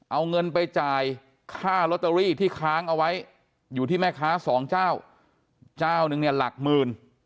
เอาเงินไปจ่ายค่าลอตเตอรี่ที่ค้างเอาไว้อยู่ที่แม่ค้าสองเจ้าเจ้านึงเนี่ยหลักหมื่น